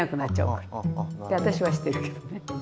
って私はしてるけどね。